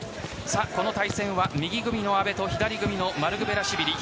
この対戦は、右組みの阿部と左組みのマルクベラシュビリ。